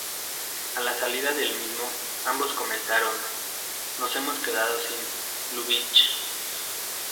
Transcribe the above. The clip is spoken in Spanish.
A la salida del mismo, ambos comentaron: ""Nos hemos quedado sin Lubitsch".